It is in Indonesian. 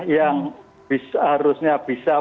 yang harusnya bisa memberikan